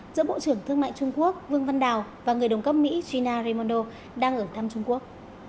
giữa bộ trưởng thương mại trung quốc vương văn đào và người đồng cấp mỹ gina raimondo đang ở thăm trung quốc